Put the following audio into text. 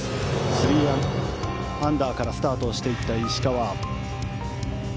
３アンダーからスタートをしていった石川。